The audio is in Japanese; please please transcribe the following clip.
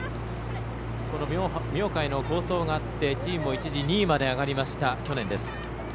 この明貝の好走があってチームを一時、２位まで上がりました、去年です。